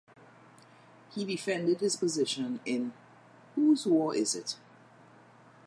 He defended his position in Whose War Is It?